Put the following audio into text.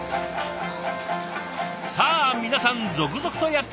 さあ皆さん続々とやって来ましたよ。